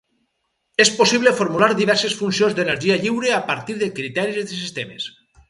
És possible formular diverses funcions d'energia lliure a partir de criteris de sistemes.